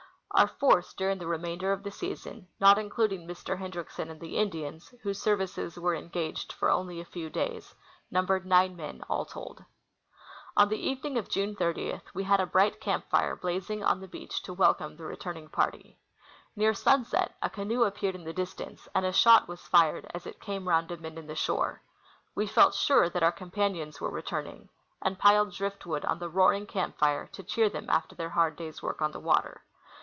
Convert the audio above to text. Our force during the remainder of the season, not including Mr. Hendriksen and the Indians, whose services AA'ere engaged for only a fcAV days, numbered nine men all told. ■• On the evening of June 30 Ave had a bright camp fire blazing on the beach to AA^elcome the returning party. Near sunset a 84 7. C. Russell— Exx>edition to Mount St. Elias. canoe appeared in the distance, and a shot was fired as it came round a bend in the shore. We felt sure that our companions were returning, and piled drift wood on the roaring camp fire to cheer them after their hard day's work on the water.